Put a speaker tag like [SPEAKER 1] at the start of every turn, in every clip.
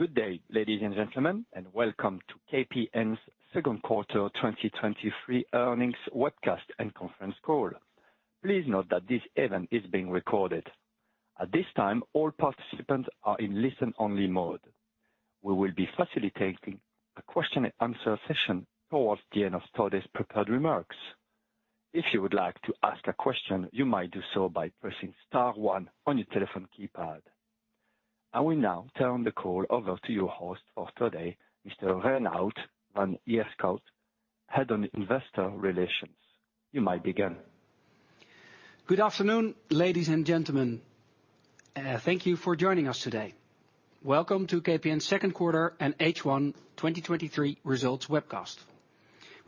[SPEAKER 1] Good day, ladies and gentlemen, and welcome to KPN's Q2 2023 earnings webcast and conference call. Please note that this event is being recorded. At this time, all participants are in listen-only mode. We will be facilitating a question and answer session towards the end of today's prepared remarks. If you would like to ask a question, you might do so by pressing star one on your telephone keypad. I will now turn the call over to your host for today, Mr. Reinout van Ierschot, Head of Investor Relations. You might begin.
[SPEAKER 2] Good afternoon, ladies and gentlemen. Thank you for joining us today. Welcome to KPN's Q2 and H1 2023 results webcast.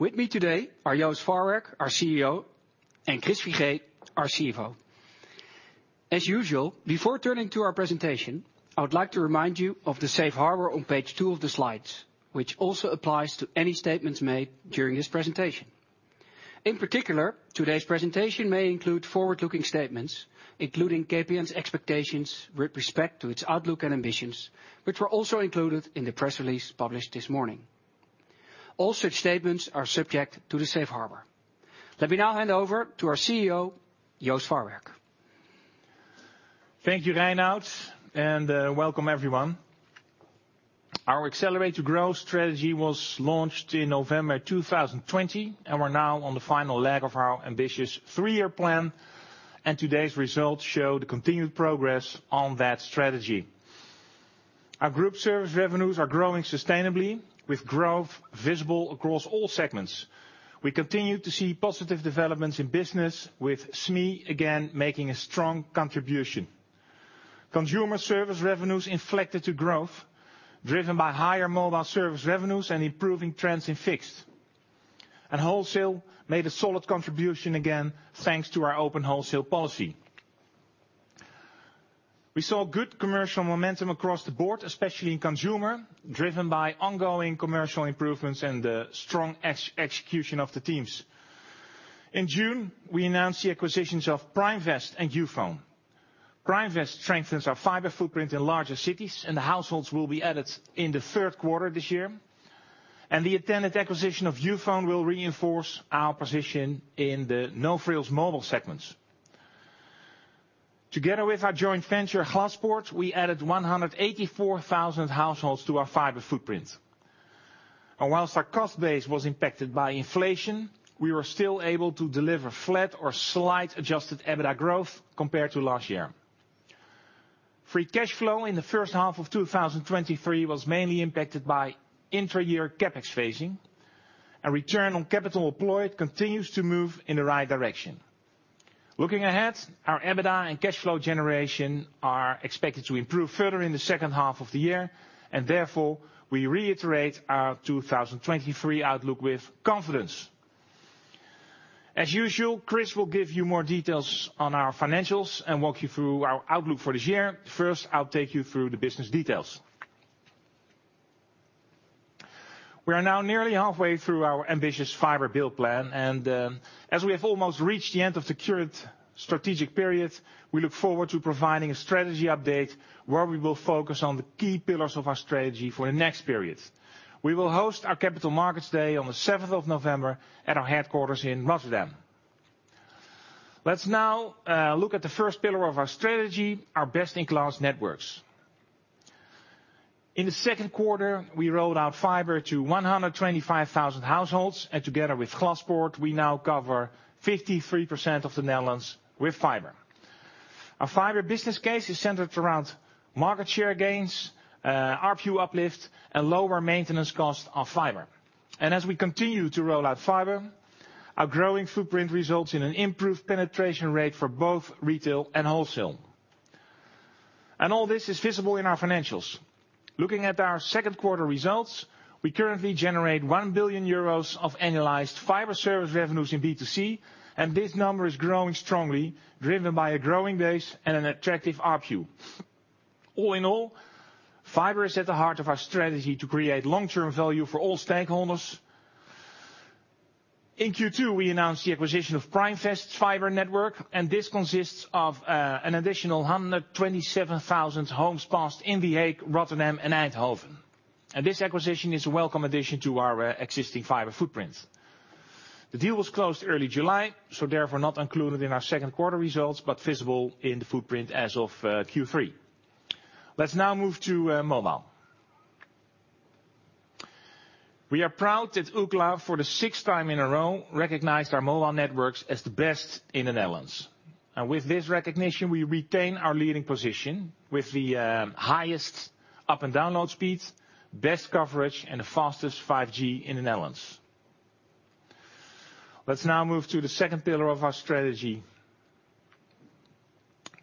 [SPEAKER 2] With me today are Joost Farwerck, our CEO, and Chris Figee, our CFO. As usual, before turning to our presentation, I would like to remind you of the safe harbor on page two of the slides, which also applies to any statements made during this presentation. In particular, today's presentation may include forward-looking statements, including KPN's expectations with respect to its outlook and ambitions, which were also included in the press release published this morning. All such statements are subject to the safe harbor. Let me now hand over to our CEO, Joost Farwerck.
[SPEAKER 3] Thank you, Reinout, and welcome everyone. Our Accelerate to Grow strategy was launched in November 2020, and we're now on the final leg of our ambitious three-year plan, and today's results show the continued progress on that strategy. Our group service revenues are growing sustainably, with growth visible across all segments. We continue to see positive developments in business, with SME again making a strong contribution. Consumer service revenues inflected to growth, driven by higher mobile service revenues and improving trends in fixed. Wholesale made a solid contribution again, thanks to our open wholesale policy. We saw good commercial momentum across the board, especially in consumer, driven by ongoing commercial improvements and the strong execution of the teams. In June, we announced the acquisitions of Primevest and Youfone. Primevest strengthens our fiber footprint in larger cities. The households will be added in the Q3 this year. The intended acquisition of Youfone will reinforce our position in the no-frills mobile segments. Together with our joint venture, Glaspoort, we added 184,000 households to our fiber footprint. Whilst our cost base was impacted by inflation, we were still able to deliver flat or slight adjusted EBITDA growth compared to last year. Free cash flow in the H1 of 2023 was mainly impacted by intra-year CapEx phasing, and return on capital employed continues to move in the right direction. Looking ahead, our EBITDA and cash flow generation are expected to improve further in the H2 of the year, and therefore, we reiterate our 2023 outlook with confidence. As usual, Chris will give you more details on our financials and walk you through our outlook for this year. First, I'll take you through the business details. We are now nearly halfway through our ambitious fiber build plan, and, as we have almost reached the end of the current strategic period, we look forward to providing a strategy update where we will focus on the key pillars of our strategy for the next period. We will host our Capital Markets Day on the seventh of November at our headquarters in Rotterdam. Let's now look at the first pillar of our strategy, our best-in-class networks. In the Q2, we rolled out fiber to 125,000 households, and together with Glaspoort, we now cover 53% of the Netherlands with fiber. Our fiber business case is centered around market share gains, ARPU uplift, and lower maintenance costs of fiber. As we continue to roll out fiber, our growing footprint results in an improved penetration rate for both retail and wholesale. All this is visible in our financials. Looking at our Q2 results, we currently generate 1 billion euros of annualized fiber service revenues in B2C, this number is growing strongly, driven by a growing base and an attractive ARPU. All in all, fiber is at the heart of our strategy to create long-term value for all stakeholders. In Q2, we announced the acquisition of Primevest Capital Partners, this consists of an additional 127,000 homes passed in The Hague, Rotterdam, and Eindhoven. This acquisition is a welcome addition to our existing fiber footprint. the deal was closed early July, not included in our Q2 results, but visible in the footprint as of Q3. Let's now move to mobile. We are proud that Ookla, for the sixth time in a row, recognized our mobile networks as the best in the Netherlands. With this recognition, we retain our leading position with the highest up and download speeds, best coverage, and the fastest 5G in the Netherlands. Let's now move to the second pillar of our strategy,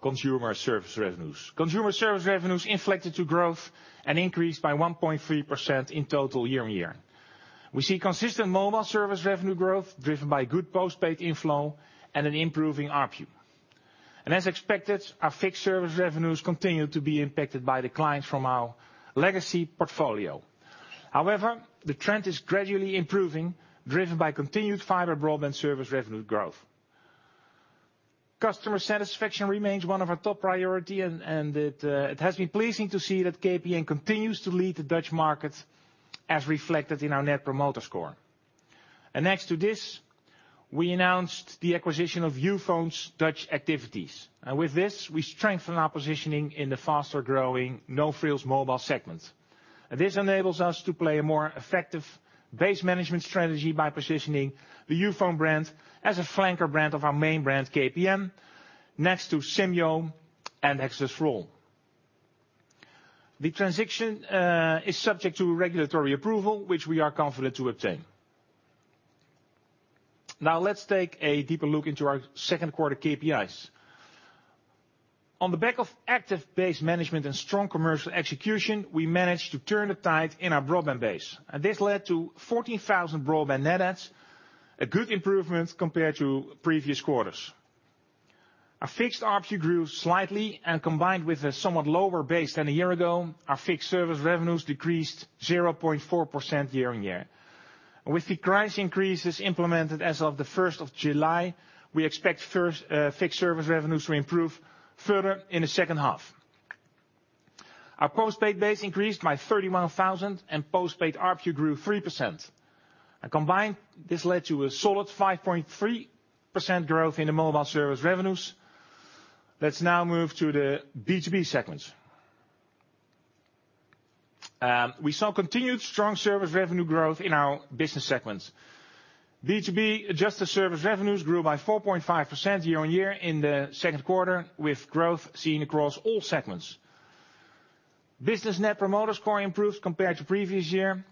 [SPEAKER 3] consumer service revenues. Consumer service revenues inflected to growth and increased by 1.3% in total year-on-year. We see consistent mobile service revenue growth, driven by good postpaid inflow and an improving ARPU. As expected, our fixed service revenues continue to be impacted by the clients from our legacy portfolio. The trend is gradually improving, driven by continued fiber broadband service revenue growth. Customer satisfaction remains one of our top priority, and it has been pleasing to see that KPN continues to lead the Dutch market as reflected in our Net Promoter Score. Next to this, we announced the acquisition of Youfone's Dutch activities. With this, we strengthen our positioning in the faster growing, no-frills mobile segment. This enables us to play a more effective base management strategy by positioning the Youfone brand as a flanker brand of our main brand, KPN, next to Simyo and XS4ALL. The transaction is subject to regulatory approval, which we are confident to obtain. Let's take a deeper look into our Q2 KPIs. On the back of active base management and strong commercial execution, we managed to turn the tide in our broadband base. This led to 14,000 broadband net adds, a good improvement compared to previous quarters. Our fixed ARPU grew slightly, and combined with a somewhat lower base than a year ago, our fixed service revenues decreased 0.4% year-on-year. With the price increases implemented as of the 1st of July, we expect first fixed service revenues to improve further in the H2. Our postpaid base increased by 31,000, and postpaid ARPU grew 3%. Combined, this led to a solid 5.3% growth in the mobile service revenues. Let's now move to the B2B segment. We saw continued strong service revenue growth in our business segment. B2B adjusted service revenues grew by 4.5% year-on-year in the Q2, with growth seen across all segments. Business Net Promoter Score improved compared to previous year.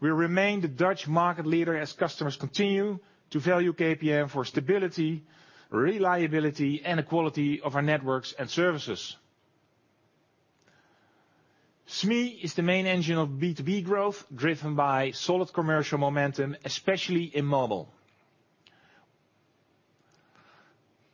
[SPEAKER 3] We remain the Dutch market leader as customers continue to value KPN for stability, reliability, and the quality of our networks and services. SME is the main engine of B2B growth, driven by solid commercial momentum, especially in mobile.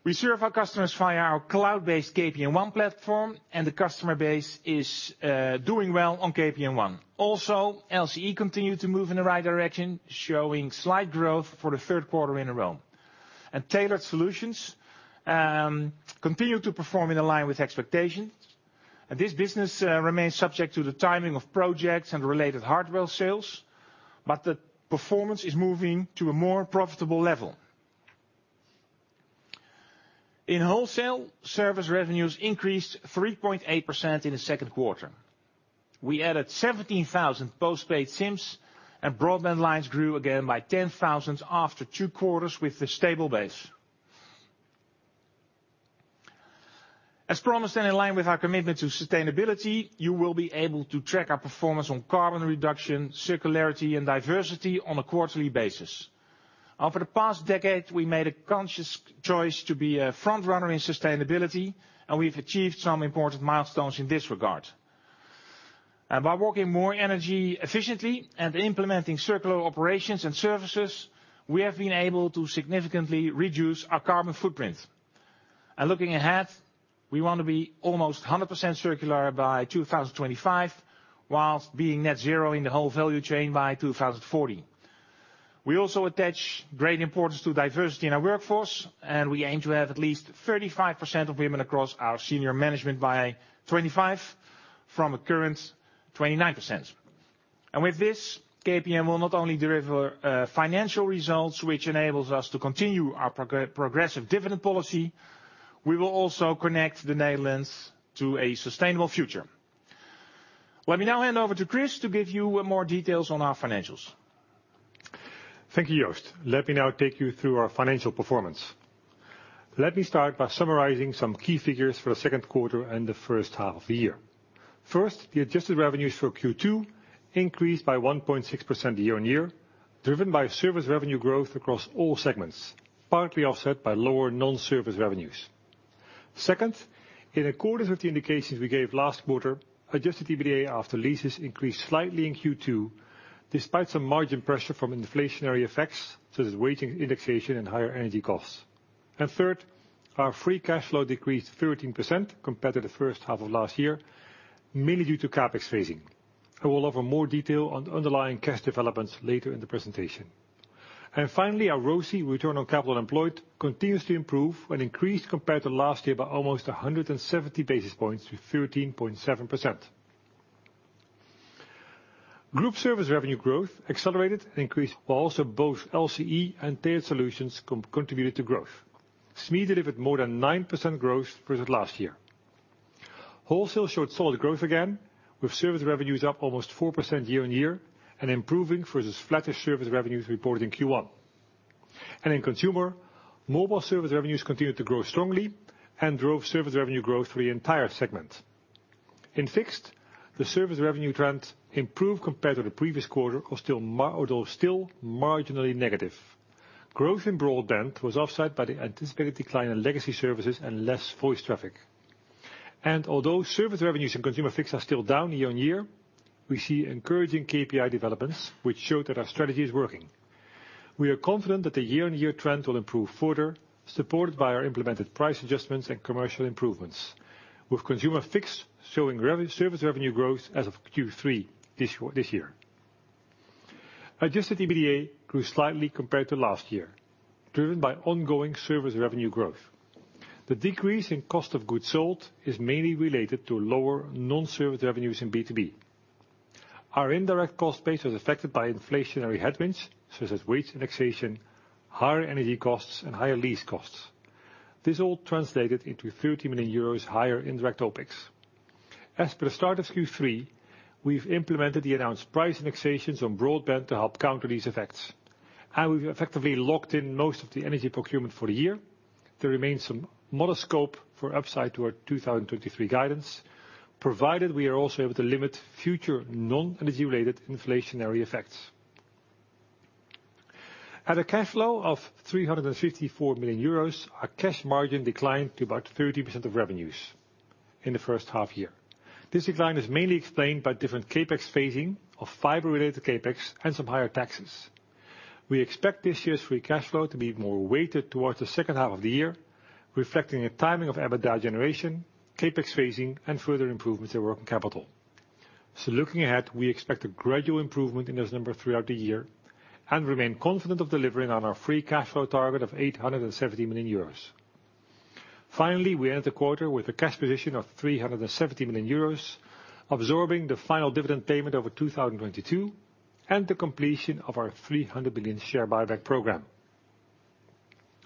[SPEAKER 3] We serve our customers via our cloud-based KPN One platform, and the customer base is doing well on KPN One. Also, LCE continued to move in the right direction, showing slight growth for the Q3 in a row. Tailored Solutions continue to perform in line with expectations. This business remains subject to the timing of projects and related hardware sales, but the performance is moving to a more profitable level. In wholesale, service revenues increased 3.8% in the Q2. We added 17,000 postpaid SIMs, broadband lines grew again by 10,000 after two quarters with a stable base. As promised, in line with our commitment to sustainability, you will be able to track our performance on carbon reduction, circularity, and diversity on a quarterly basis. Over the past decade, we made a conscious choice to be a frontrunner in sustainability, we've achieved some important milestones in this regard. By working more energy efficiently and implementing circular operations and services, we have been able to significantly reduce our carbon footprint. Looking ahead, we want to be almost 100% circular by 2025, whilst being net zero in the whole value chain by 2040. We also attach great importance to diversity in our workforce, we aim to have at least 35% of women across our senior management by 2025, from a current 29%. With this, KPN will not only deliver financial results, which enables us to continue our progressive dividend policy, we will also connect the Netherlands to a sustainable future. Let me now hand over to Chris to give you more details on our financials.
[SPEAKER 4] Thank you, Joost. Let me now take you through our financial performance. Let me start by summarizing some key figures for the Q2 and the H1 of the year. First, the adjusted revenues for Q2 increased by 1.6% year-on-year, driven by service revenue growth across all segments, partly offset by lower non-service revenues. Second, in accordance with the indications we gave last quarter, adjusted EBITDA after leases increased slightly in Q2, despite some margin pressure from inflationary effects, such as wage indexation and higher energy costs. Third, our free cash flow decreased 13% compared to the H1 of last year, mainly due to CapEx phasing. I will offer more detail on the underlying cash developments later in the presentation. Finally, our ROCE, return on capital employed, continues to improve and increased compared to last year by almost 170 basis points to 13.7%. Group service revenue growth accelerated and increased, while also both LCE and Tailored Solutions contributed to growth. SME delivered more than 9% growth versus last year. Wholesale showed solid growth again, with service revenues up almost 4% year on year and improving versus flattish service revenues reported in Q1. In consumer, mobile service revenues continued to grow strongly and drove service revenue growth for the entire segment. In Fixed, the service revenue trend improved compared to the previous quarter, although still marginally negative. Growth in broadband was offset by the anticipated decline in legacy services and less voice traffic. Although service revenues and consumer fixed are still down year-on-year, we see encouraging KPI developments, which show that our strategy is working. We are confident that the year-on-year trend will improve further, supported by our implemented price adjustments and commercial improvements, with consumer fixed showing service revenue growth as of Q3 this year. Adjusted EBITDA grew slightly compared to last year, driven by ongoing service revenue growth. The decrease in cost of goods sold is mainly related to lower non-service revenues in B2B. Our indirect cost base was affected by inflationary headwinds, such as wage indexation, higher energy costs, and higher lease costs. This all translated into 30 million euros higher indirect OpEx. As per the start of Q3, we've implemented the announced price indexations on broadband to help counter these effects, and we've effectively locked in most of the energy procurement for the year. There remains some modest scope for upside to our 2023 guidance, provided we are also able to limit future non-energy-related inflationary effects. At a cash flow of 354 million euros, our cash margin declined to about 30% of revenues in the H1 year. This decline is mainly explained by different CapEx phasing of fiber-related CapEx and some higher taxes. We expect this year's free cash flow to be more weighted towards the H2 of the year, reflecting a timing of EBITDA generation, CapEx phasing, and further improvements in working capital. Looking ahead, we expect a gradual improvement in this number throughout the year and remain confident of delivering on our free cash flow target of 870 million euros. Finally, we end the quarter with a cash position of 370 million euros, absorbing the final dividend payment over 2022, and the completion of our 300 million share buyback program.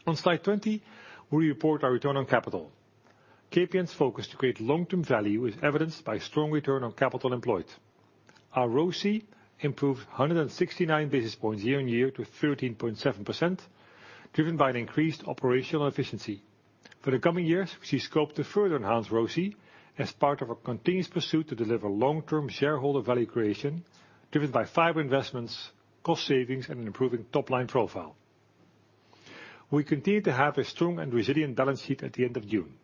[SPEAKER 4] On slide 20, we report our return on capital. KPN's focus to create long-term value is evidenced by strong return on capital employed. Our ROCE improved 169 basis points year-on-year to 13.7%, driven by an increased operational efficiency. For the coming years, we see scope to further enhance ROCE as part of our continuous pursuit to deliver long-term shareholder value creation, driven by fiber investments, cost savings, and improving top-line profile. We continue to have a strong and resilient balance sheet at the end of June.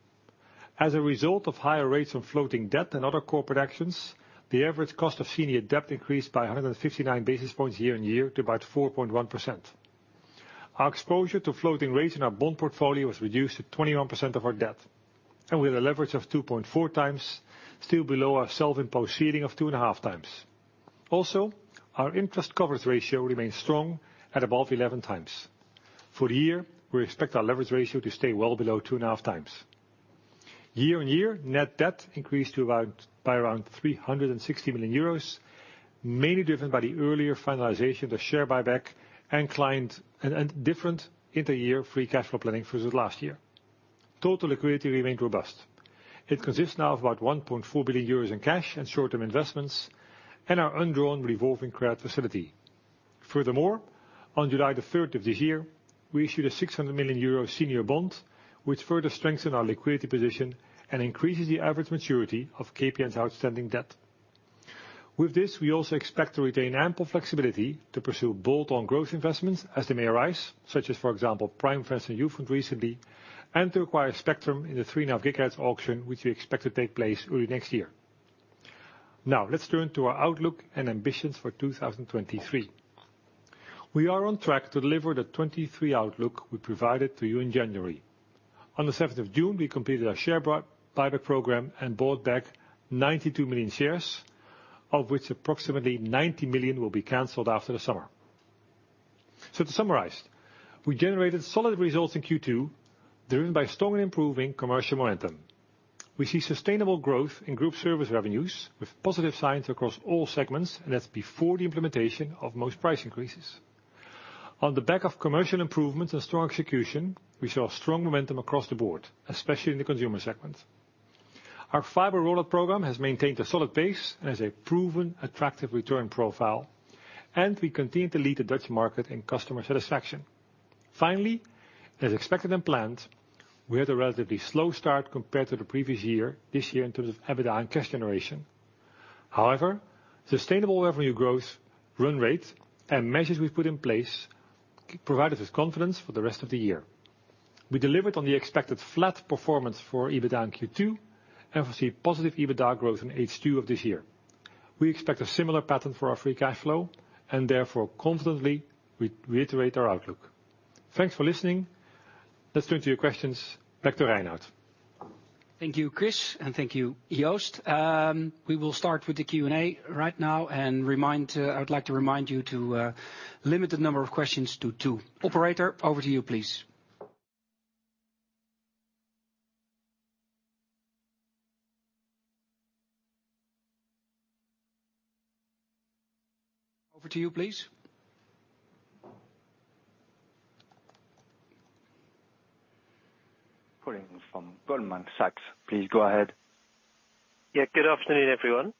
[SPEAKER 4] As a result of higher rates on floating debt and other corporate actions, the average cost of senior debt increased by 159 basis points year-on-year to about 4.1%. Our exposure to floating rates in our bond portfolio was reduced to 21% of our debt, and we had a leverage of 2.4 times, still below our self-imposed ceiling of 2.5 times. Our interest coverage ratio remains strong at above 11 times. For the year, we expect our leverage ratio to stay well below 2.5 times. Year-on-year, net debt increased by around 360 million euros, mainly driven by the earlier finalization of the share buyback and client, and different inter-year free cash flow planning versus last year. Total liquidity remained robust. It consists now of about 1.4 billion euros in cash and short-term investments and our undrawn revolving credit facility. Furthermore, on July 3 of this year, we issued a 600 million euro senior bond, which further strengthened our liquidity position and increases the average maturity of KPN's outstanding debt. With this, we also expect to retain ample flexibility to pursue bolt-on growth investments as they may arise, such as, for example, Primevest and Youfone recently, and to acquire Spectrum in the 3.5 GHz auction, which we expect to take place early next year. Now, let's turn to our outlook and ambitions for 2023. We are on track to deliver the 2023 outlook we provided to you in January. On the 7th of June, we completed our share buyback program and bought back 92 million shares, of which approximately 90 million will be canceled after the summer. To summarize, we generated solid results in Q2, driven by strong and improving commercial momentum. We see sustainable growth in group service revenues, with positive signs across all segments, and that's before the implementation of most price increases. On the back of commercial improvements and strong execution, we saw strong momentum across the board, especially in the consumer segment. Our fiber rollout program has maintained a solid base and has a proven attractive return profile, and we continue to lead the Dutch market in customer satisfaction. As expected and planned, we had a relatively slow start compared to the previous year, this year, in terms of EBITDA and cash generation. Sustainable revenue growth, run rate, and measures we've put in place provide us with confidence for the rest of the year. We delivered on the expected flat performance for EBITDA in Q2, and we see positive EBITDA growth in H2 of this year. We expect a similar pattern for our free cash flow. Confidently, we reiterate our outlook. Thanks for listening. Let's turn to your questions. Back to Reinout.
[SPEAKER 2] Thank you, Chris, and thank you, Joost. We will start with the Q&A right now. I'd like to remind you to limit the number of questions to two. Operator, over to you, please.
[SPEAKER 1] Calling from Goldman Sachs, please go ahead.
[SPEAKER 5] Yeah, good afternoon, everyone.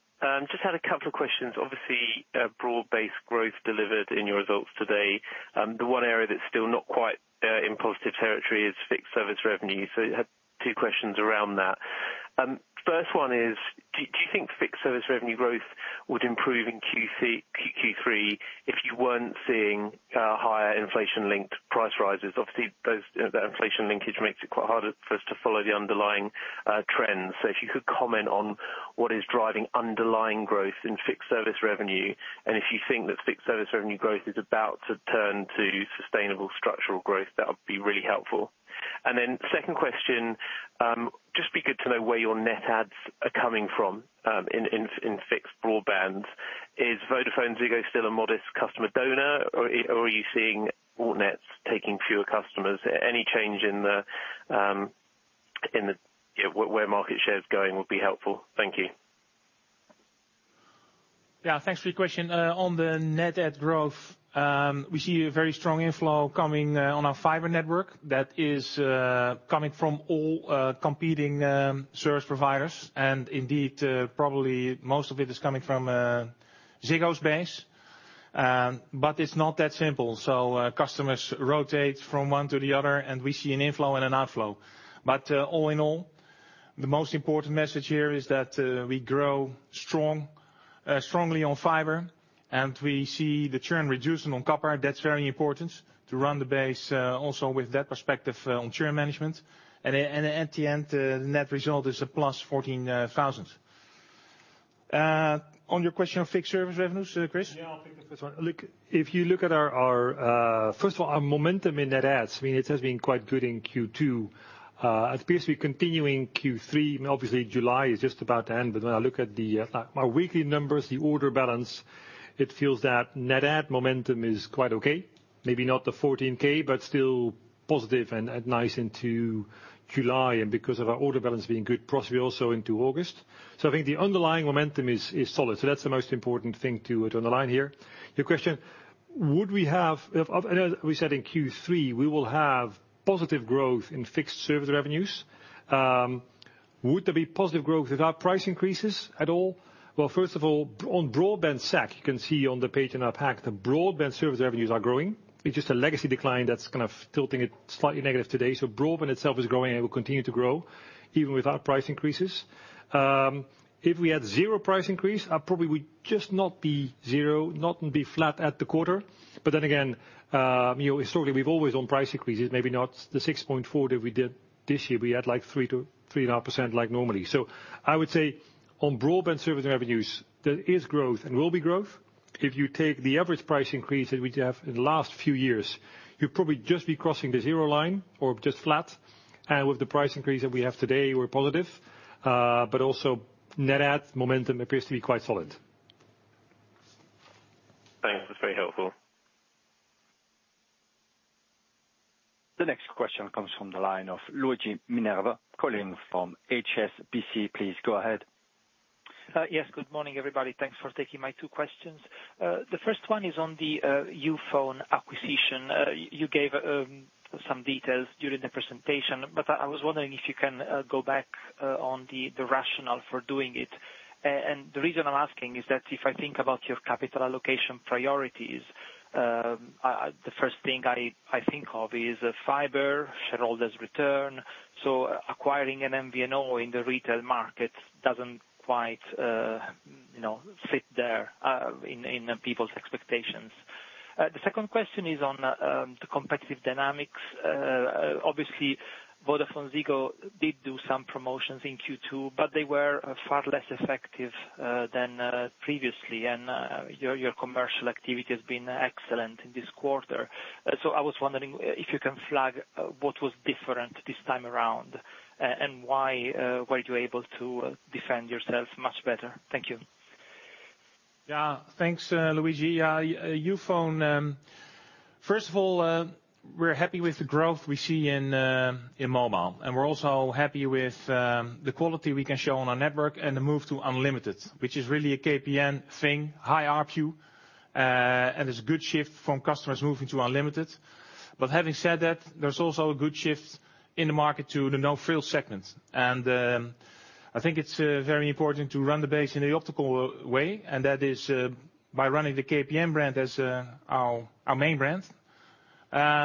[SPEAKER 5] Just had a couple of questions. Broad-based growth delivered in your results today. The one area that's still not quite in positive territory is fixed service revenue. I had two questions around that. First one is, do you think fixed service revenue growth would improve in Q3 if you weren't seeing higher inflation-linked price rises? Those, the inflation linkage makes it quite harder for us to follow the underlying trends. If you could comment on what is driving underlying growth in fixed service revenue, and if you think that fixed service revenue growth is about to turn to sustainable structural growth, that would be really helpful. Second question, just be good to know where your net adds are coming from in fixed broadband. Is VodafoneZiggo still a modest customer donor, or are you seeing altnets taking fewer customers? Any change in the, yeah, where market share is going would be helpful. Thank you.
[SPEAKER 3] Yeah, thanks for your question. On the net add growth, we see a very strong inflow coming on our fiber network that is coming from all competing service providers. Indeed, probably most of it is coming from Ziggo's base. It's not that simple. Customers rotate from one to the other, and we see an inflow and an outflow. All in all, the most important message here is that we grow strongly on fiber, and we see the churn reducing on copper. That's very important to run the base also with that perspective on churn management. At the end, the net result is a +14,000. On your question on fixed service revenues, Chris?
[SPEAKER 4] Yeah, I'll take the first one. Look, if you look at our First of all, our momentum in net adds, I mean, it has been quite good in Q2. It appears to be continuing Q3. Obviously, July is just about to end, but when I look at the our weekly numbers, the order balance, it feels that net add momentum is quite okay. Maybe not the 14,000, but still positive and nice into July, and because of our order balance being good, possibly also into August. I think the underlying momentum is solid. That's the most important thing to underline here. Your question, would we have, as we said in Q3, we will have positive growth in fixed service revenues. Would there be positive growth without price increases at all? Well, first of all, on broadband SAC, you can see on the page in our pack, the broadband service revenues are growing. It's just a legacy decline that's kind of tilting it slightly negative today. Broadband itself is growing, and it will continue to grow even without price increases. If we had 0 price increase, probably would just not be 0, not be flat at the quarter. You know, historically, we've always on price increases, maybe not the 6.4% that we did this year. We had, like, 3%-3.5% like normally. I would say on broadband service revenues, there is growth and will be growth. If you take the average price increase that we'd have in the last few years, you'd probably just be crossing the 0 line or just flat. With the price increase that we have today, we're positive. Net add momentum appears to be quite solid.
[SPEAKER 5] Thanks. That's very helpful.
[SPEAKER 6] The next question comes from the line of Luigi Minerva, calling from HSBC. Please go ahead.
[SPEAKER 7] Yes, good morning, everybody. Thanks for taking my two questions. The first one is on the Youfone acquisition. You gave some details during the presentation, but I was wondering if you can go back on the rationale for doing it. The reason I'm asking is that if I think about your capital allocation priorities, I, the first thing I think of is fiber, shareholders' return. Acquiring an MVNO in the retail market doesn't quite, you know, fit there in people's expectations. The second question is on the competitive dynamics. Obviously, Vodafone Ziggo did do some promotions in Q2, but they were far less effective than previously. Your commercial activity has been excellent in this quarter. I was wondering if you can flag, what was different this time around, and why, were you able to defend yourself much better? Thank you.
[SPEAKER 3] Thanks, Luigi. Youfone, first of all, we're happy with the growth we see in mobile, and we're also happy with the quality we can show on our network and the move to unlimited, which is really a KPN thing, high ARPU, and it's a good shift from customers moving to unlimited. Having said that, there's also a good shift in the market to the no-frills segment. I think it's very important to run the base in the optimal way, and that is by running the KPN brand as our main brand,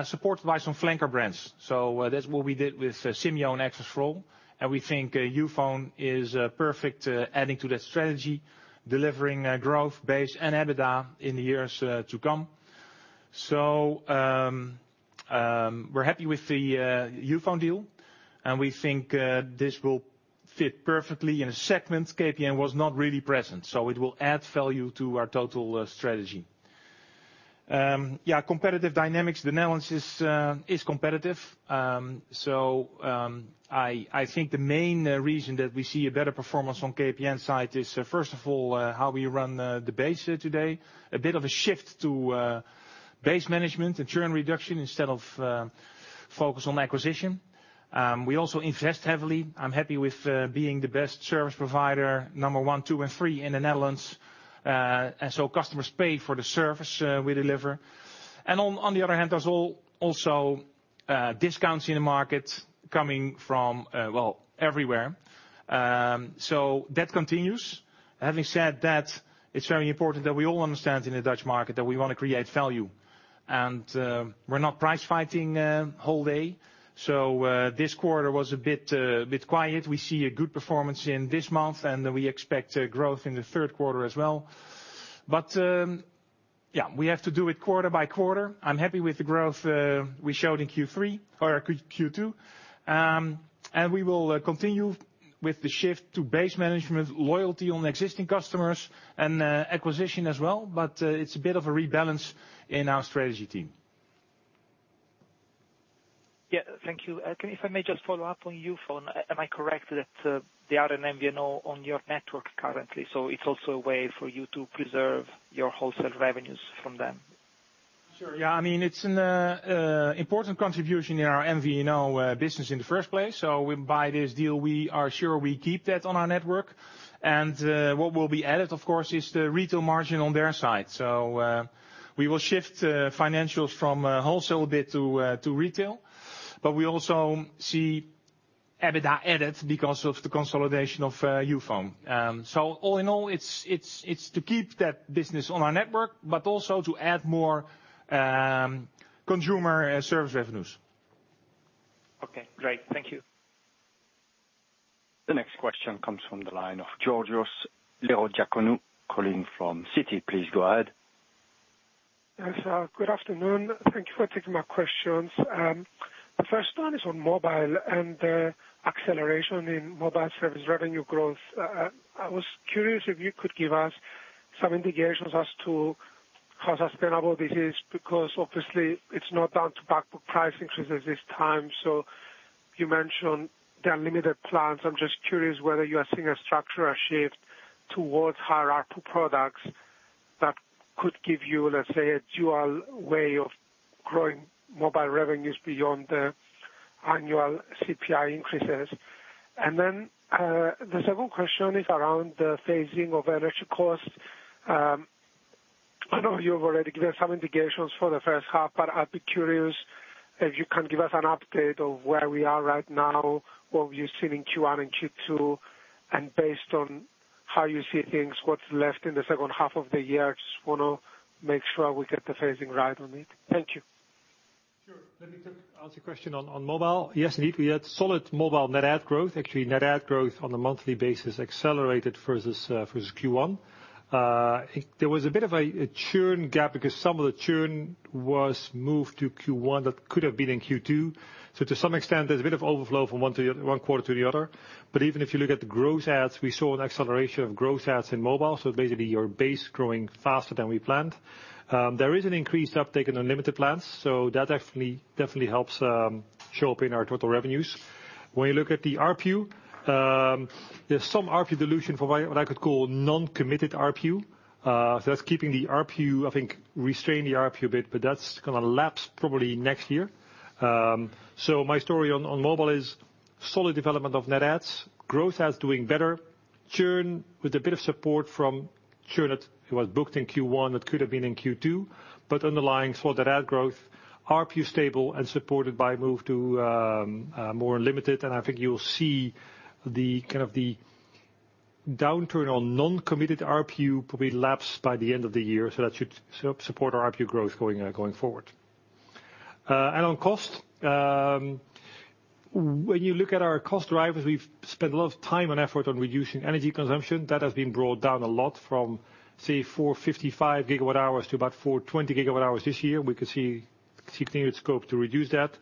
[SPEAKER 3] supported by some flanker brands. That's what we did with Simyo and XS4ALL, and we think Youfone is perfect adding to that strategy, delivering growth, base, and EBITDA in the years to come. We're happy with the Youfone deal, and we think this will fit perfectly in a segment KPN was not really present, so it will add value to our total strategy. Yeah, competitive dynamics. The Netherlands is competitive. I think the main reason that we see a better performance on KPN side is, first of all, how we run the base today. A bit of a shift to base management and churn reduction instead of focus on acquisition. We also invest heavily. I'm happy with being the best service provider, number one, two, and three in the Netherlands. Customers pay for the service we deliver. On the other hand, there's also discounts in the market coming from well, everywhere. That continues. Having said that, it's very important that we all understand in the Dutch market that we want to create value. We're not price fighting whole day. This quarter was a bit quiet. We see a good performance in this month, and we expect growth in the Q3 as well. Yeah, we have to do it quarter by quarter. I'm happy with the growth we showed in Q3 or Q2. We will continue.... with the shift to base management, loyalty on existing customers, and acquisition as well, but it's a bit of a rebalance in our strategy team.
[SPEAKER 7] Yeah, thank you. If I may just follow up on Youfone, am I correct that, they are an MVNO on your network currently, so it's also a way for you to preserve your wholesale revenues from them?
[SPEAKER 3] Sure. I mean, it's an important contribution in our MVNO business in the first place. By this deal, we are sure we keep that on our network. What will be added, of course, is the retail margin on their side. We will shift financials from wholesale a bit to retail, but we also see EBITDA added because of the consolidation of Youfone. All in all, it's to keep that business on our network, but also to add more consumer service revenues.
[SPEAKER 8] Okay, great. Thank you.
[SPEAKER 6] The next question comes from the line of Georgios Ierodiaconou, calling from Citi. Please go ahead.
[SPEAKER 9] Yes. good afternoon. Thank you for taking my questions. The first one is on mobile and acceleration in mobile service revenue growth. I was curious if you could give us some indications as to how sustainable this is, because obviously it's not down to back-book pricing choices this time. You mentioned the unlimited plans. I'm just curious whether you are seeing a structural shift towards higher ARPU products that could give you, let's say, a dual way of growing mobile revenues beyond the annual CPI increases. The second question is around the phasing of energy costs. I know you have already given some indications for the H1. I'd be curious if you can give us an update of where we are right now, what you've seen in Q1 and Q2, and based on how you see things, what's left in the H2 of the year. I just want to make sure we get the phasing right on it. Thank you.
[SPEAKER 4] Sure. Let me answer your question on mobile. Yes, indeed, we had solid mobile net add growth. Actually, net add growth on a monthly basis accelerated versus Q1. There was a bit of a churn gap because some of the churn was moved to Q1 that could have been in Q2. To some extent, there's a bit of overflow from one quarter to the other. Even if you look at the gross adds, we saw an acceleration of gross adds in mobile, so basically your base growing faster than we planned. There is an increased uptake in unlimited plans, so that definitely helps show up in our total revenues. When you look at the ARPU, there's some ARPU dilution for what I could call non-committed ARPU. That's keeping the ARPU, I think, restrained the ARPU a bit, but that's gonna lapse probably next year. My story on mobile is: solid development of net adds, growth adds doing better, churn with a bit of support from churn that it was booked in Q1, that could have been in Q2, but underlying solid add growth, ARPU stable and supported by a move to more unlimited. I think you'll see the, kind of the downturn on non-committed ARPU probably lapse by the end of the year, so that should support our ARPU growth going going forward. On cost, when you look at our cost drivers, we've spent a lot of time and effort on reducing energy consumption. That has been brought down a lot from, say, 455 GW hours to about 420 GW hours this year. We could see clear scope to reduce that.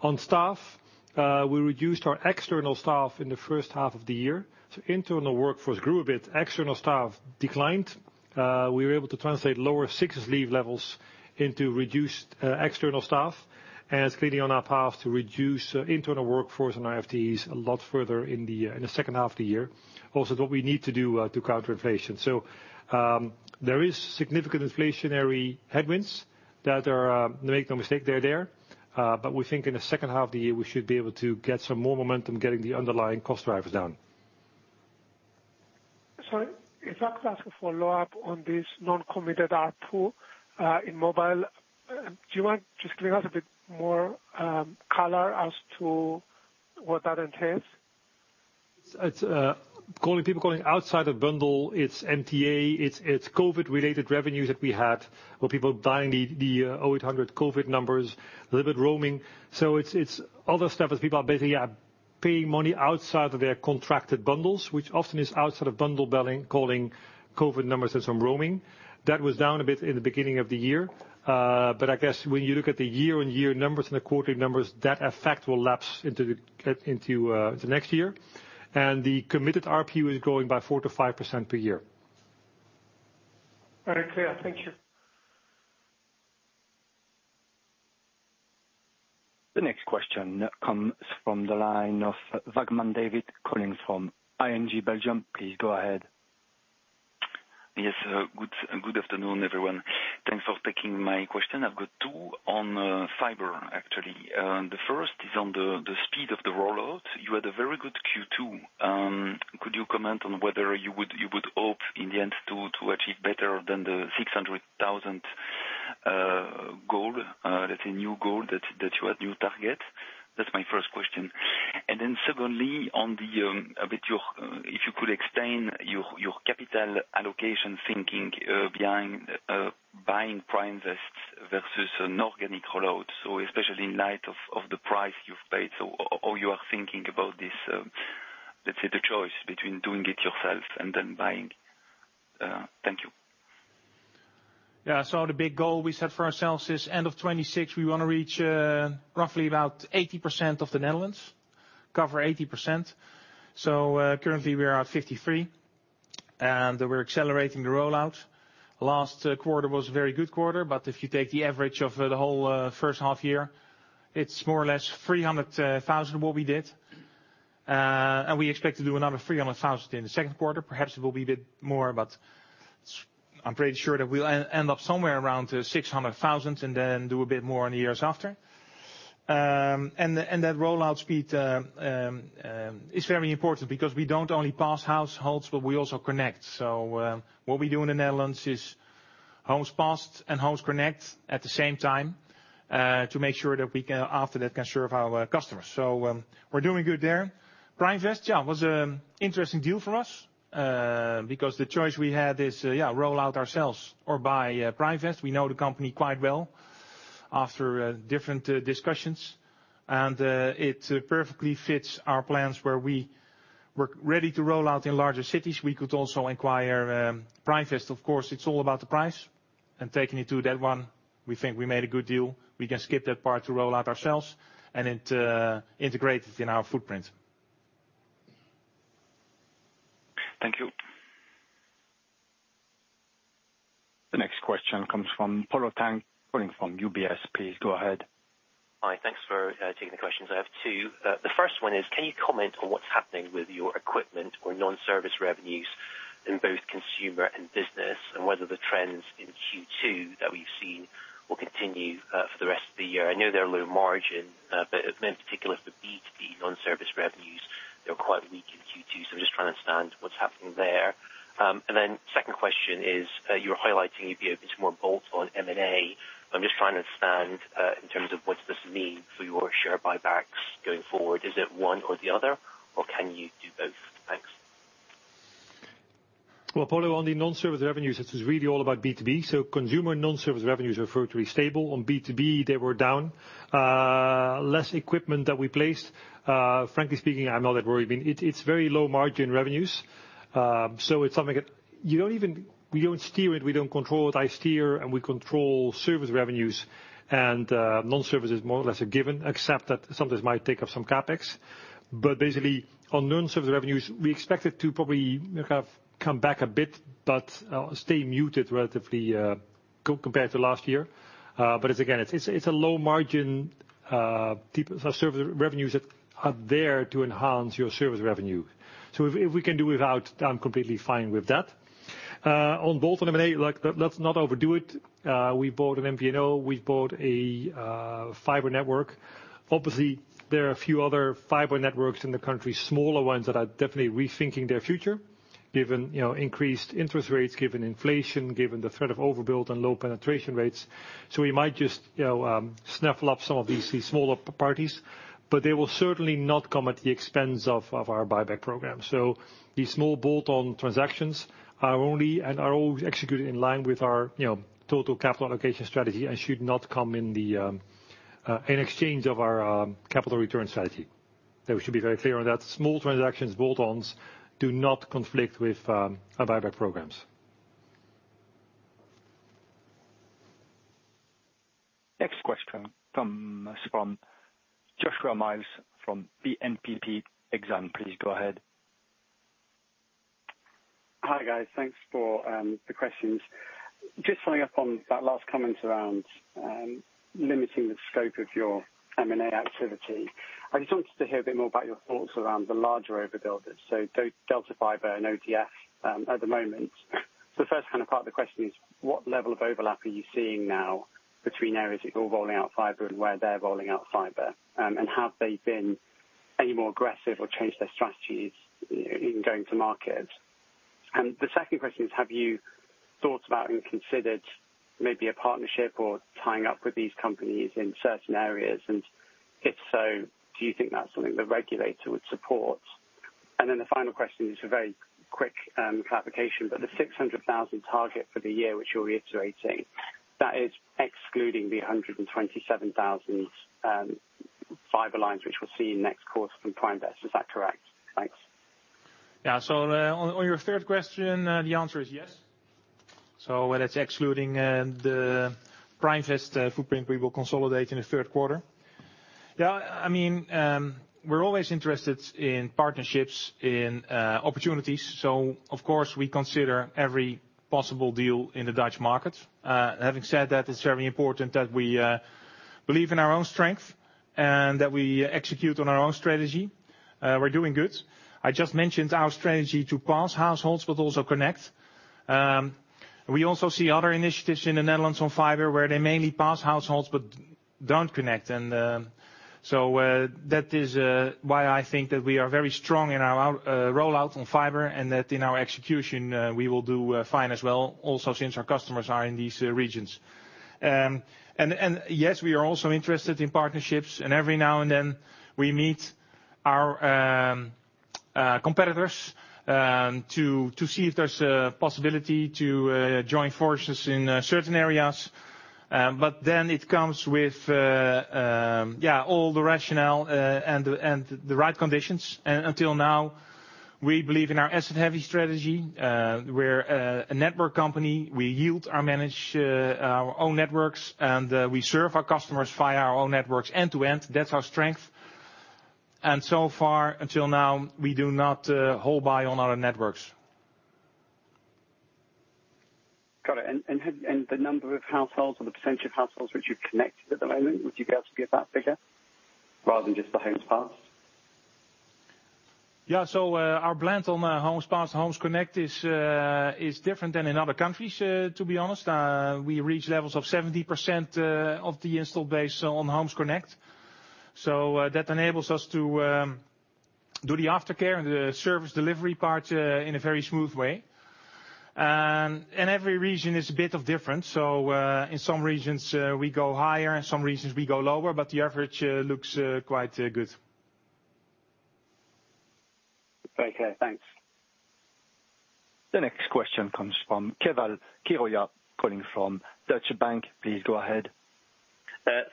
[SPEAKER 4] On staff, we reduced our external staff in the H1 of the year, so internal workforce grew a bit. External staff declined. We were able to translate lower sickness leave levels into reduced external staff, and it's clearly on our path to reduce internal workforce and FTEs a lot further in the H2 of the year. What we need to do to counter inflation. There is significant inflationary headwinds that are make no mistake, they're there, but we think in the H2 of the year, we should be able to get some more momentum, getting the underlying cost drivers down.
[SPEAKER 9] If I could ask a follow-up on this non-committed ARPU, in mobile, do you mind just giving us a bit more color as to what that entails?
[SPEAKER 4] It's calling, people calling outside of bundle. It's MTA. It's COVID-related revenues that we had, where people buying the 800 COVID numbers, a little bit roaming. It's other stuff as people are basically, yeah, paying money outside of their contracted bundles, which often is outside of bundle billing, calling COVID numbers and some roaming. That was down a bit in the beginning of the year. I guess when you look at the year-on-year numbers and the quarterly numbers, that effect will lapse into the next year. The committed ARPU is growing by 4% to 5% per year.
[SPEAKER 9] Very clear. Thank you.
[SPEAKER 6] The next question comes from the line of Vagman David, calling from ING Belgium. Please go ahead.
[SPEAKER 8] Yes, good afternoon, everyone. Thanks for taking my question. I've got two on fiber, actually. The first is on the speed of the rollout. You had a very good Q2. Could you comment on whether you would hope in the end to achieve better than the 600,000 goal? That's a new goal that you had, new target. That's my first question. Secondly, on the, if you could explain your capital allocation thinking behind buying Primevest versus an organic rollout. Especially in light of the price you've paid, how you are thinking about this, let's say, the choice between doing it yourself and then buying? Thank you.
[SPEAKER 3] Yeah, the big goal we set for ourselves is end of 2026, we want to reach roughly about 80% of the Netherlands, cover 80%. Currently we are at 53, and we're accelerating the rollout. Last quarter was a very good quarter, but if you take the average of the whole H1 year, it's more or less 300,000, what we did. We expect to do another 300,000 in the Q2. Perhaps it will be a bit more, but I'm pretty sure that we'll end up somewhere around 600,000 and then do a bit more in the years after. And that rollout speed is very important because we don't only pass households, but we also connect. What we do in the Netherlands is homes passed and homes connect at the same time to make sure that we after that, can serve our customers. We're doing good there. Primevest? It was an interesting deal for us because the choice we had is roll out ourselves or buy Primevest. We know the company quite well after different discussions. It perfectly fits our plans where we were ready to roll out in larger cities. We could also acquire Primevest. Of course, it's all about the price, and taking it to that one, we think we made a good deal. We can skip that part to roll out ourselves and it integrated in our footprint.
[SPEAKER 8] Thank you.
[SPEAKER 1] The next question comes from Polo Tang, calling from UBS. Please go ahead.
[SPEAKER 10] Hi. Thanks for taking the questions. I have two. The first one is, can you comment on what's happening with your equipment or non-service revenues in both consumer and business, and whether the trends in Q2 that we've seen will continue for the rest of the year? I know they're low margin, but in particular for B2B non-service revenues, they were quite weak in Q2, so I'm just trying to understand what's happening there. Second question is, you're highlighting you being more bold on M&A. I'm just trying to understand in terms of what does this mean for your share buybacks going forward. Is it one or the other, or can you do both? Thanks.
[SPEAKER 4] Polo, on the non-service revenues, this is really all about B2B. Consumer non-service revenues are fairly stable. On B2B, they were down. Less equipment that we placed. Frankly speaking, I'm not that worried. I mean, it's very low margin revenues. It's something that we don't steer it, we don't control it. I steer and we control service revenues, and non-service is more or less a given, except that sometimes might take up some CapEx. Basically, on non-service revenues, we expect it to probably have come back a bit, but stay muted relatively compared to last year. Again, it's a low margin type of service revenues that are there to enhance your service revenue. If we can do without, I'm completely fine with that. On both M&A, like, let's not overdo it. We bought an MVNO, we've bought a fiber network. Obviously, there are a few other fiber networks in the country, smaller ones that are definitely rethinking their future, given, you know, increased interest rates, given inflation, given the threat of overbuild and low penetration rates. We might just, you know, snaffle up some of these smaller parties, but they will certainly not come at the expense of our buyback program. These small bolt-on transactions are only, and are all executed in line with our, you know, total capital allocation strategy and should not come in the in exchange of our capital return strategy. We should be very clear on that. Small transactions, bolt-ons, do not conflict with our buyback programs.
[SPEAKER 1] Next question comes from Joshua Mills, from BNPP Exane. Please go ahead.
[SPEAKER 11] Hi, guys. Thanks for the questions. Just following up on that last comment around limiting the scope of your M&A activity. I just wanted to hear a bit more about your thoughts around the larger overbuilders, so DELTA Fiber and ODF at the moment. The first kind of part of the question is: What level of overlap are you seeing now between areas that you're rolling out fiber and where they're rolling out fiber? Have they been any more aggressive or changed their strategies in going to market? The second question is: Have you thought about and considered maybe a partnership or tying up with these companies in certain areas, and if so, do you think that's something the regulator would support? The final question is a very quick clarification, but the 600,000 target for the year, which you're reiterating, that is excluding the 127,000 fiber lines, which we'll see next quarter from Primevest. Is that correct? Thanks.
[SPEAKER 3] Yeah. On your third question, the answer is yes. Whether it's excluding the Primevest footprint, we will consolidate in the Q3. Yeah, I mean, we're always interested in partnerships, in opportunities, of course, we consider every possible deal in the Dutch market. Having said that, it's very important that we believe in our own strength and that we execute on our own strategy. We're doing good. I just mentioned our strategy to pass households but also connect. We also see other initiatives in the Netherlands on fiber, where they mainly pass households but don't connect. That is why I think that we are very strong in our rollout on fiber and that in our execution, we will do fine as well, also since our customers are in these regions. Yes, we are also interested in partnerships, and every now and then, we meet our competitors to see if there's a possibility to join forces in certain areas. It comes with, yeah, all the rationale and the right conditions. Until now, we believe in our asset-heavy strategy. We're a network company. We yield our manage our own networks, and we serve our customers via our own networks end-to-end. That's our strength, and so far, until now, we do not hold by on other networks.
[SPEAKER 11] Got it. The number of households or the percentage of households which you've connected at the moment, would you be able to give that figure rather than just the homes passed?
[SPEAKER 3] Yeah. Our blend on homes passed to homes connect is different than in other countries, to be honest. We reach levels of 70% of the install base on homes connect. That enables us to do the aftercare and the service delivery part in a very smooth way. Every region is a bit of different. In some regions, we go higher, in some regions we go lower, but the average looks quite good.
[SPEAKER 11] Okay, thanks.
[SPEAKER 1] The next question comes from Keval Khiroya, calling from Deutsche Bank. Please go ahead.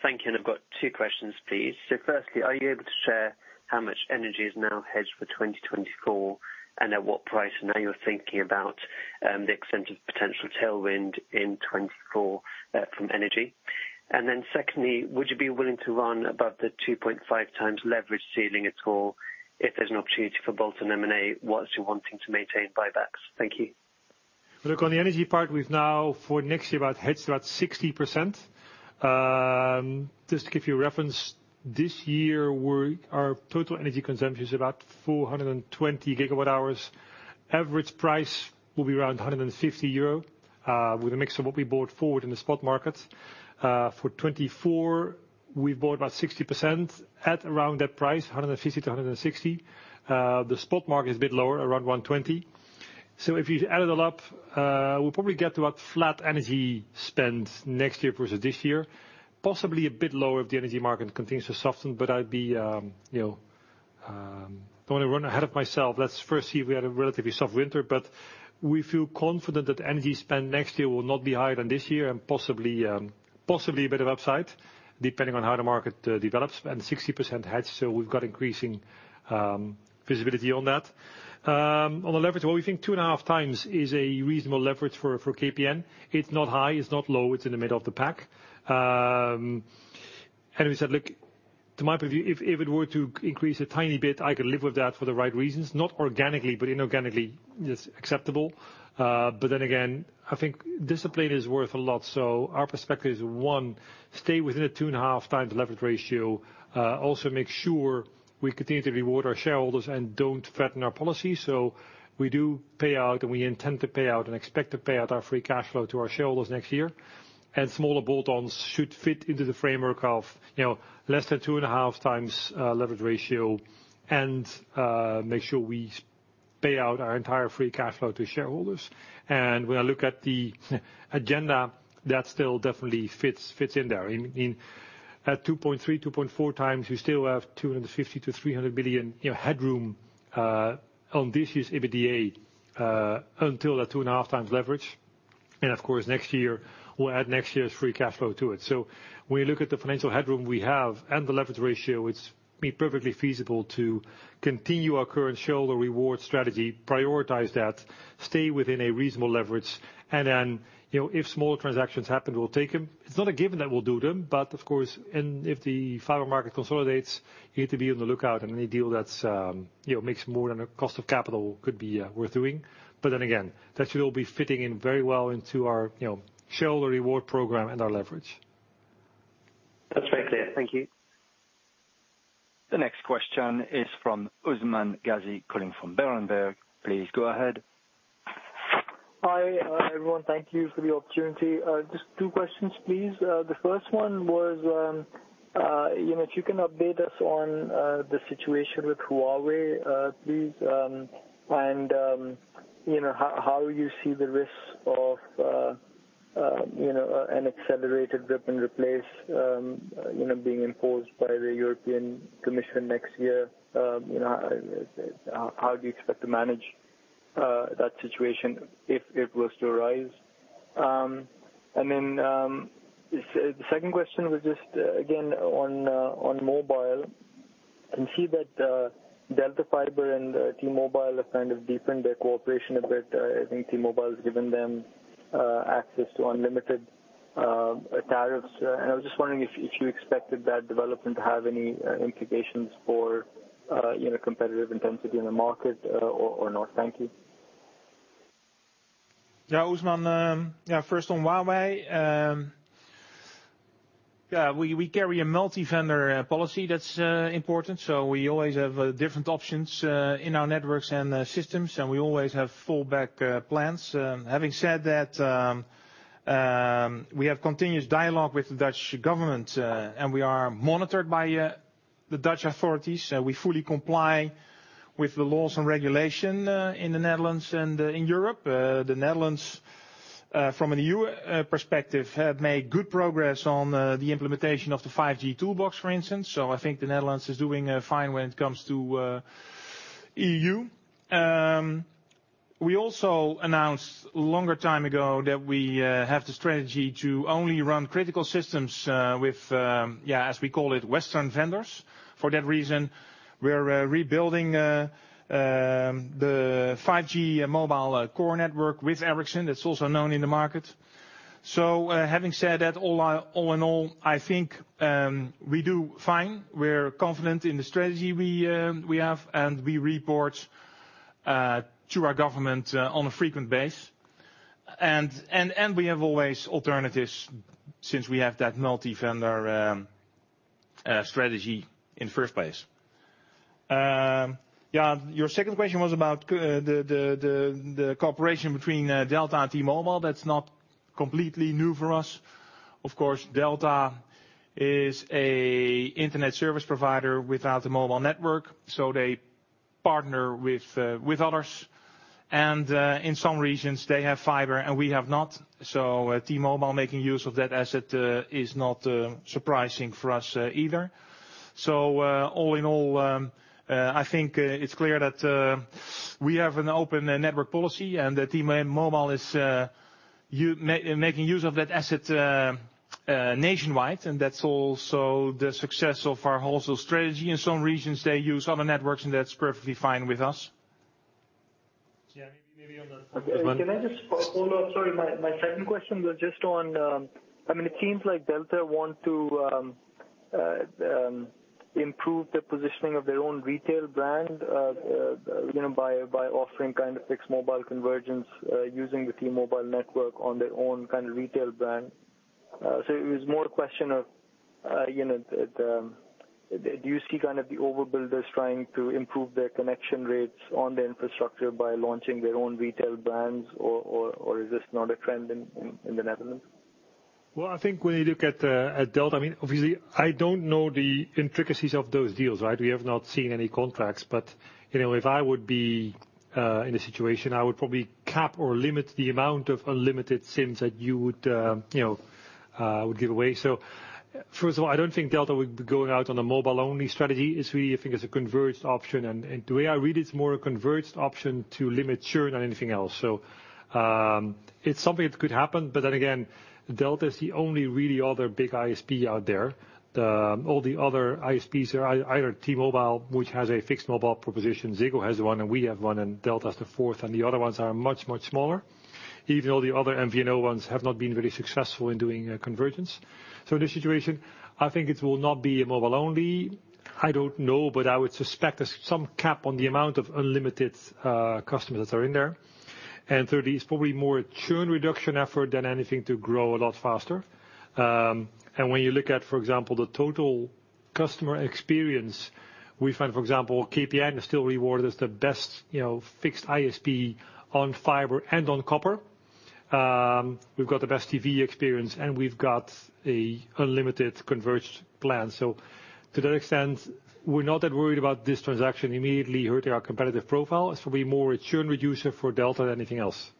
[SPEAKER 12] Thank you, I've got two questions, please. Firstly, are you able to share how much energy is now hedged for 2024, and at what price? Are you thinking about the extent of potential tailwind in 2024 from energy? Secondly, would you be willing to run above the 2.5x leverage ceiling at all, if there's an opportunity for bolt and M&A, whilst you're wanting to maintain buybacks? Thank you.
[SPEAKER 4] Look, on the energy part, we've now, for next year, hedged about 60%. Just to give you reference, this year, our total energy consumption is about 420 GWh. Average price will be around 150 euro, with a mix of what we bought forward in the spot market. For 2024, we've bought about 60% at around that price, 150-160. The spot market is a bit lower, around 120. If you add it all up, we'll probably get to about flat energy spend next year versus this year. Possibly a bit lower if the energy market continues to soften, I'd be, you know, don't want to run ahead of myself. Let's first see if we had a relatively soft winter. We feel confident that energy spend next year will not be higher than this year, and possibly, a bit of upside, depending on how the market develops. 60% hedged, so we've got increasing visibility on that. On the leverage, well, we think 2.5 times is a reasonable leverage for KPN. It's not high, it's not low, it's in the middle of the pack. We said, look, to my view, if it were to increase a tiny bit, I could live with that for the right reasons. Not organically, but inorganically, it's acceptable. Then again, I think discipline is worth a lot. Our perspective is, 1, stay within a 2.5 times leverage ratio. Also make sure we continue to reward our shareholders and don't threaten our policy. We do pay out, and we intend to pay out and expect to pay out our free cash flow to our shareholders next year. Smaller bolt-ons should fit into the framework of, you know, less than 2.5x leverage ratio, and make sure we pay out our entire free cash flow to shareholders. When I look at the agenda, that still definitely fits in there. I mean, in at 2.3-2.4x, we still have 250 billion-300 billion, you know, headroom on this year's EBITDA until that 2.5x leverage. Of course, next year, we'll add next year's free cash flow to it. When you look at the financial headroom we have and the leverage ratio, it's perfectly feasible to continue our current shareholder reward strategy, prioritize that, stay within a reasonable leverage, then, you know, if smaller transactions happen, we'll take them. It's not a given that we'll do them, of course, if the fiber market consolidates, you need to be on the lookout, and any deal that's, you know, makes more than a cost of capital could be worth doing. Again, that should all be fitting in very well into our, you know, shareholder reward program and our leverage.
[SPEAKER 12] That's very clear. Thank you.
[SPEAKER 1] The next question is from Usman Ghazi, calling from Berenberg. Please go ahead.
[SPEAKER 13] Hi, everyone. Thank you for the opportunity. Just two questions, please. The first one was, you know, if you can update us on the situation with Huawei, please. You know, how you see the risk of, you know, an accelerated rip and replace, you know, being imposed by the European Commission next year? You know, how do you expect to manage that situation if it was to arise? Then, the second question was just, again, on mobile. I can see that Delta Fiber and T-Mobile have kind of deepened their cooperation a bit. I think T-Mobile has given them access to unlimited tariffs. I was just wondering if you expected that development to have any implications for, you know, competitive intensity in the market, or not. Thank you.
[SPEAKER 3] Usman, first on Huawei. We carry a multi-vendor policy. That's important, so we always have different options in our networks and systems, and we always have fallback plans. Having said that, we have continuous dialogue with the Dutch government, and we are monitored by the Dutch authorities. We fully comply with the laws and regulation in the Netherlands and in Europe. The Netherlands, from an EU perspective, have made good progress on the implementation of the 5G Toolbox, for instance. I think the Netherlands is doing fine when it comes to EU. We also announced a longer time ago that we have the strategy to only run critical systems with, as we call it, Western vendors. For that reason, we're rebuilding the 5G mobile core network with Ericsson. That's also known in the market. Having said that, all in all, I think we do fine. We're confident in the strategy we have, and we report to our government on a frequent base. We have always alternatives since we have that multi-vendor strategy in the first place. Your second question was about the cooperation between DELTA and T-Mobile. That's not completely new for us. Of course, DELTA is an internet service provider without a mobile network. They partner with others, and in some regions, they have fiber, and we have not. T-Mobile making use of that asset is not surprising for us either. All in all, I think it's clear that we have an open network policy and that T-Mobile is making use of that asset nationwide, and that's also the success of our wholesale strategy. In some regions, they use other networks, and that's perfectly fine with us.
[SPEAKER 4] Yeah, maybe on the-
[SPEAKER 13] Can I just follow up? Sorry, my second question was just on, I mean, it seems like DELTA want to improve the positioning of their own retail brand, you know, by offering kind of fixed mobile convergence, using the T-Mobile network on their own kind of retail brand. It was more a question of, you know, the, do you see kind of the overbuilders trying to improve their connection rates on the infrastructure by launching their own retail brands, or is this not a trend in the Netherlands?
[SPEAKER 4] Well, I think when you look at DELTA, I mean, obviously, I don't know the intricacies of those deals, right? We have not seen any contracts, but, you know, if I would be, in a situation, I would probably cap or limit the amount of unlimited SIMs that you would, you know, would give away. I don't think DELTA would be going out on a mobile-only strategy. It's really, I think, is a converged option, and the way I read, it's more a converged option to limit churn than anything else. It's something that could happen, but then again, DELTA is the only really other big ISP out there. All the other ISPs are either T-Mobile, which has a fixed mobile proposition. Ziggo has one, and we have one, and Delta is the fourth, and the other ones are much, much smaller, even though the other MVNO ones have not been very successful in doing convergence. In this situation, I think it will not be a mobile only. I don't know, but I would suspect there's some cap on the amount of unlimited customers that are in there. Thirdly, it's probably more a churn reduction effort than anything to grow a lot faster. When you look at, for example, the total customer experience, we find, for example, KPN is still rewarded as the best, you know, fixed ISP on fiber and on copper. We've got the best TV experience, and we've got a unlimited converged plan. To that extent, we're not that worried about this transaction immediately hurting our competitive profile. It's probably more a churn reducer for DELTA than anything else.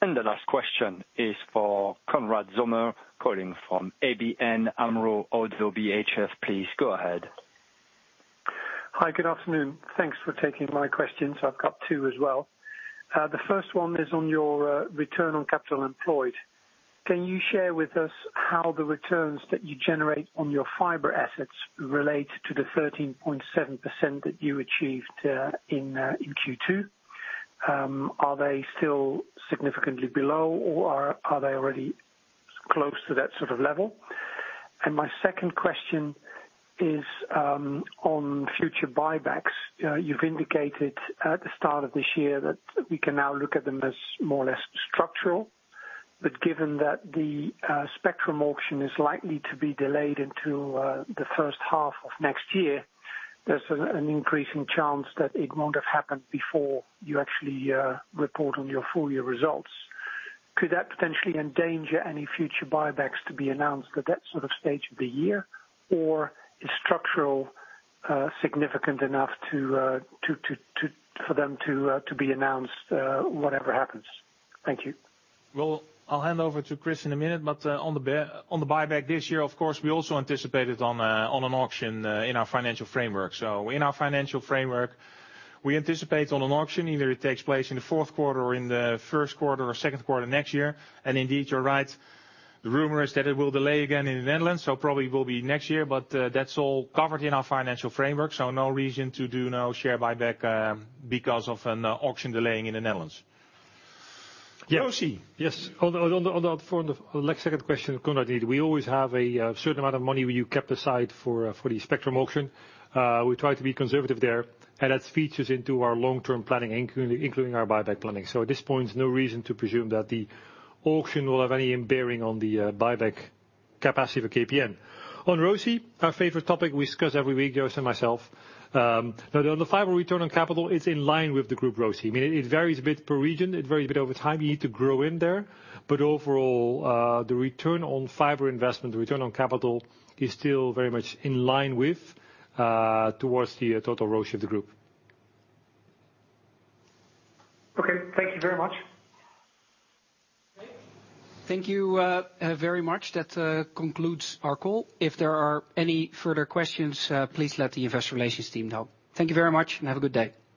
[SPEAKER 1] The last question is for Konrad Zomer, calling from ABN AMRO ODDO BHF. Please, go ahead.
[SPEAKER 14] Hi, good afternoon. Thanks for taking my questions. I've got two as well. The first one is on your return on capital employed. Can you share with us how the returns that you generate on your fiber assets relate to the 13.7% that you achieved in Q2? Are they still significantly below, or are they already close to that sort of level? My second question is on future buybacks. You've indicated at the start of this year that we can now look at them as more or less structural, but given that the spectrum auction is likely to be delayed into the H1 of next year, there's an increasing chance that it won't have happened before you actually report on your full year results. Could that potentially endanger any future buybacks to be announced at that sort of stage of the year, or is structural significant enough to for them to be announced whatever happens? Thank you.
[SPEAKER 3] I'll hand over to Chris in a minute, but on the buyback this year, of course, we also anticipated on an auction in our financial framework. In our financial framework, we anticipate on an auction, either it takes place in the Q4 or in the Q1 or Q2 next year. Indeed, you're right, the rumor is that it will delay again in the Netherlands, so probably will be next year, but that's all covered in our financial framework, so no reason to do no share buyback because of an auction delaying in the Netherlands. ROCE?
[SPEAKER 4] Yes. For the second question, Konrad, we always have a certain amount of money we keep aside for the spectrum auction. We try to be conservative there, and that features into our long-term planning, including our buyback planning. At this point, there's no reason to presume that the auction will have any bearing on the buyback capacity for KPN. On ROCE, our favorite topic we discuss every week, Joe and myself. On the fiber return on capital, it's in line with the group ROCE. I mean, it varies a bit per region. It varies a bit over time. Overall, the return on fiber investment, the return on capital, is still very much in line with towards the total ROCE of the group.
[SPEAKER 14] Okay. Thank you very much.
[SPEAKER 2] Thank you very much. That, concludes our call. If there are any further questions, please let the investor relations team know. Thank you very much and have a good day.
[SPEAKER 3] Thank you.